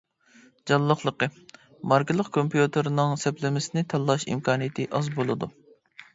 جانلىقلىقى: ماركىلىق كومپيۇتېرنىڭ سەپلىمىسىنى تاللاش ئىمكانىيىتى ئاز بولىدۇ.